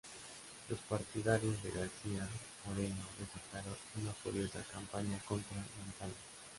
Los partidarios de García Moreno desataron una furiosa campaña contra Montalvo.